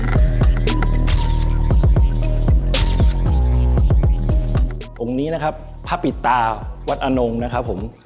ตรงนี้นะครับผ้าปิดตาวัดอนงนะครับผม